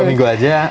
satu dua minggu aja